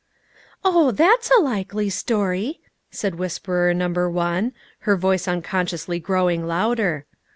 " Oh ! that's a likely story," said whisperer number one, her voice unconsciously growing louder.